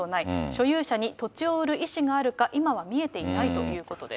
所有者に土地を売る意思があるか、今は見えていないということです。